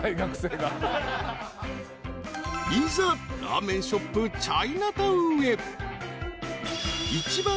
［いざラーメンショップチャイナタウンへ］